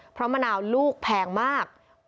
เพราะมะนาวลูกแพงมาก